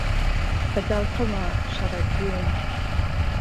بەگاڵتەوە شەڕە جوێن